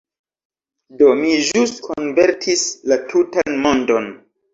Do, mi ĵus konvertis la tutan mondon!